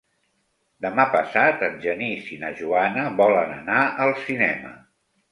Demà passat en Genís i na Joana volen anar al cinema.